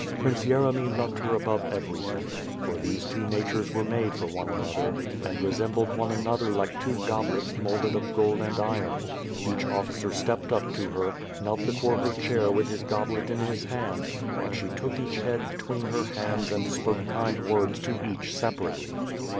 Prince Yeremy loved her above everything; for these two natures were made for one another, and resembled one another like two goblets moulded of gold and iron. Each officer stepped up to her, knelt before her chair with his goblet in his hand, and she took each head between her hands and spoke kind words to each separately.